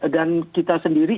dan kita sendiri